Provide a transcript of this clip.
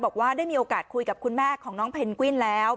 บอกว่าได้มีโอกาสคุยกับคุณแม่ของน้องเพนกวินแล้ว